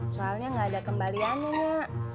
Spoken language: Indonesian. soalnya gak ada kembaliannya nya